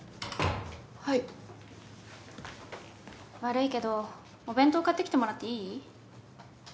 はい悪いけどお弁当買ってきてもらっていい？